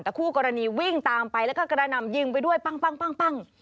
แต่คู่กรณีวิ่งตามไปแล้วก็กระหน่ำยิงไปด้วยปั้ง